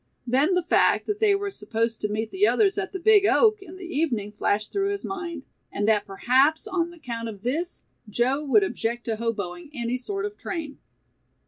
Then the fact that they were supposed to meet the others at the "big oak" in the evening flashed through his mind, and that perhaps on account of this, Joe would object to hoboing any sort of train.